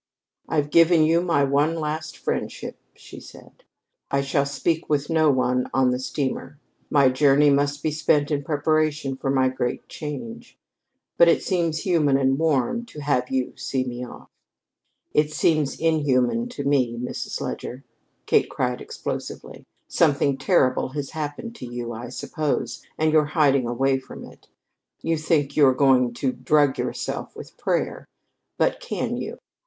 "I've given you my one last friendship," she said. "I shall speak with no one on the steamer. My journey must be spent in preparation for my great change. But it seems human and warm to have you see me off." "It seems inhuman to me, Mrs. Leger," Kate cried explosively. "Something terrible has happened to you, I suppose, and you're hiding away from it. You think you're going to drug yourself with prayer. But can you?